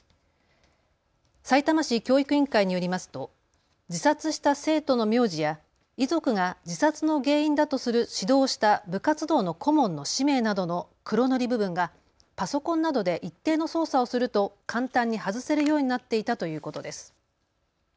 さいたま市教育委員会によりますと自殺した生徒の名字や遺族が自殺の原因だとする指導をした部活動の顧問の氏名などの黒塗り部分がパソコンなどで一定の操作をすると簡単に外せるようになっていたということです。